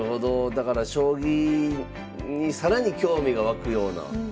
だから将棋に更に興味が湧くような。